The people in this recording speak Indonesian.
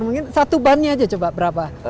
mungkin satu ban nya aja coba berapa